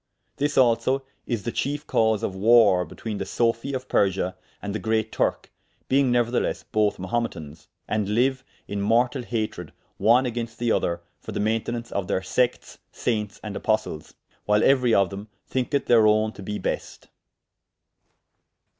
This also is the chiefe cause of warre between the sophie of Persia and the great Turke, being neuerthelesse both Mahumetans, and lyue in mortall hatred one agaynst the other for the mayntenaunce of theyr sectes, saintes and apostles, whyle euery of them thynketh theyr owne to bee best.